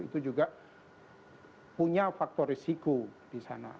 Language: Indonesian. itu juga punya faktor risiko di sana